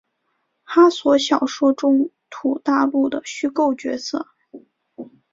哈索小说中土大陆的虚构角色。